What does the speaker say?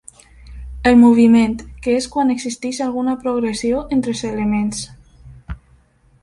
El moviment, que és quan existeix alguna progressió entre els elements.